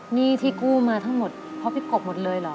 หนี้ที่กู้มาทั้งหมดเพราะพี่กบหมดเลยเหรอ